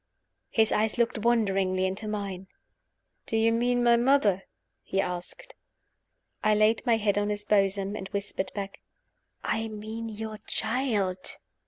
His eyes looked wonderingly into mine. "Do you mean my mother?" he asked. I laid my head on his bosom, and whispered back "I mean your child."